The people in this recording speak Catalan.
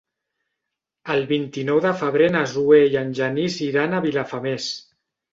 El vint-i-nou de febrer na Zoè i en Genís iran a Vilafamés.